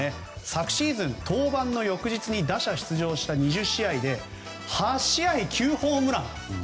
昨シーズン登板の翌日に打者で出場した２０試合で８試合９ホームラン。